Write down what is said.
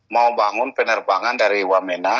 mau bangun penerbangan dari wamena